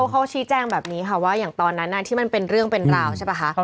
เขาชี้แจ้งแบบนี้ค่ะว่าอย่างตอนนั้นที่มันเป็นเรื่องเป็นราวใช่ป่ะคะ